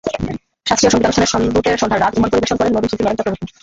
শাস্ত্রীয় সংগীতানুষ্ঠানের শুরুতে সন্ধ্যার রাগ ইমন পরিবেশন করেন নবীন শিল্পী নরেন চক্রবর্তী।